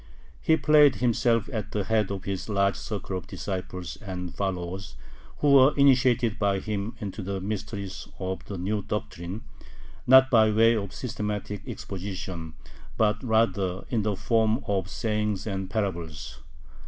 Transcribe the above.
He placed himself at the head of his large circle of disciples and followers, who were initiated by him into the mysteries of the new doctrine, not by way of systematic exposition, but rather in the form of sayings and parables.